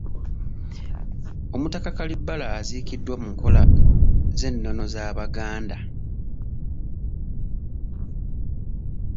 Omutaka Kalibbala aziikiddwa mu nkola z’ennona z’Abaganda.